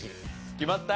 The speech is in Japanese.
決まった？